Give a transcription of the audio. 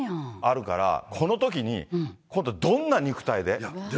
だからこのときに今度どんな肉体で。